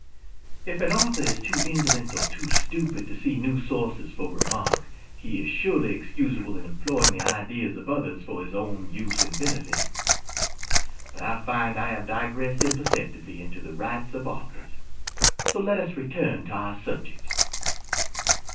If an author is too indolent or too stupid to seek new sources for remark, he is surely excusable in employing the ideas of others for his own use and benefit. But I find I have digressed imperceptibly into the " rights of authors •" so let us return to our subject.